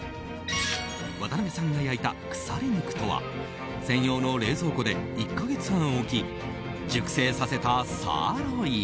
渡辺さんが焼いた腐れ肉とは専用の冷蔵庫で１か月間置き熟成させたサーロイン。